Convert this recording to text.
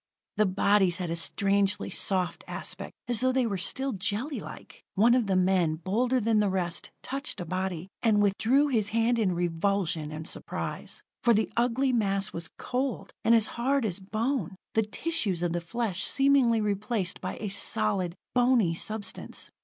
The bodies had a strangely soft aspect, as though they were still jellylike. One of the men, bolder than the rest, touched a body and withdrew his hand in revulsion and surprise. For the ugly mass was cold, and as hard as bone: the tissues of the flesh seemingly replaced by a solid, bony substance.